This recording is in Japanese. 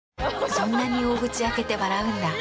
そんなに大口開けて笑うんだ。